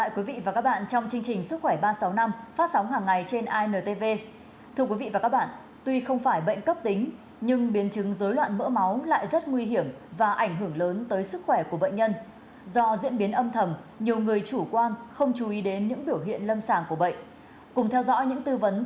các bạn hãy đăng ký kênh để ủng hộ kênh của chúng mình nhé